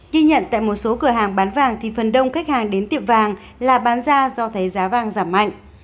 ghi nhận tại một số cửa hàng bán vàng thì phần đông khách hàng đến tiệm vàng là bán ra do thấy giá vàng giảm mạnh